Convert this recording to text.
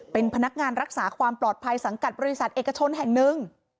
เป็นพนักงานรักษาความปลอดภัยสังกัดบริษัทเอกชนแห่งหนึ่ง